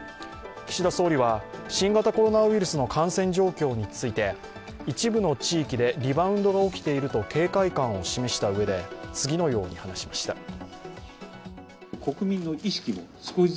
岸田総理は新型コロナウイルスの感染状況について一部の地域でリバウンドが起きていると警戒感を示したうえで次のように話しました。